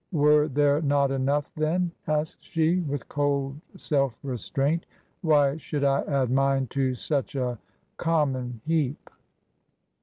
" Were there not enough, then ?" asked she, with cold self restraint. "Why should I add mine to such a — common heap